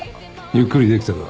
ゆっくりできたか？